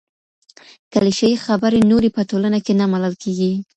کليشه يي خبري نورې په ټولنه کي نه منل کېږي.